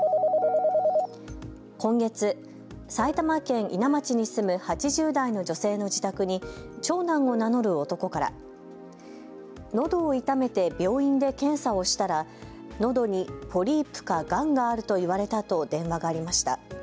今月、埼玉県伊奈町に住む８０代の女性の自宅に長男を名乗る男からのどを痛めて病院で検査をしたらのどにポリープか、がんがあると言われたと電話がありました。